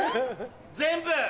全部。